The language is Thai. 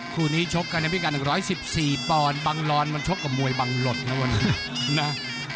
คู่นี้ชกกันในพิการ๑๑๔ปอนด์บังลอนมันชกกับมวยบังหลดนะวันนี้นะ